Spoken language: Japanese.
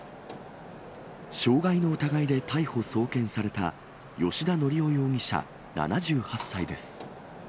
傷害の疑いで逮捕・送検された、吉田宣雄容疑者７８歳です。